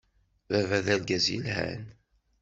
Baba d argaz yelhan.